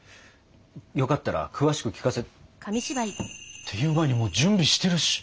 よかったら詳しく聞かせ。っていう前にもう準備してるし！